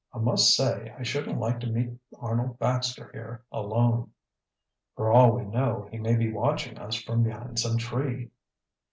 "I must say I shouldn't like to meet Arnold Baxter here alone." "For all we know he may be watching us from behind some tree."